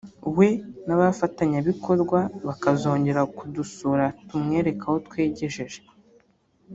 we n’abafatanyabikorwa bakazongera kudusura tumwereka aho twigejeje